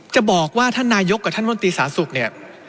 จะบอกว่าท่านนายกกับท่านมนตรีสาสุขเนี่ย